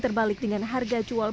terbalik dengan harga jualan